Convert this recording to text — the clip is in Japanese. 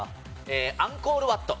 アンコールワット。